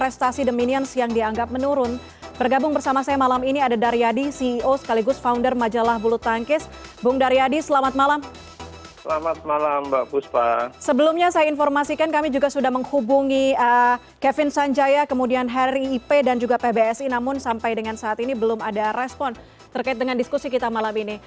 saya sudah hubungi kevin sanjaya kemudian harry ipe dan juga pbsi namun sampai dengan saat ini belum ada respon terkait dengan diskusi kita malam ini